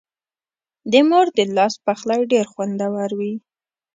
د مور د لاس پخلی ډېر خوندور وي.